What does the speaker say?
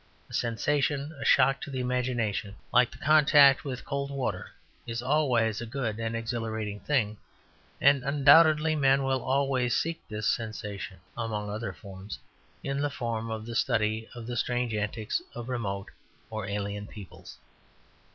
A sensation, a shock to the imagination, like the contact with cold water, is always a good and exhilarating thing; and, undoubtedly, men will always seek this sensation (among other forms) in the form of the study of the strange antics of remote or alien peoples.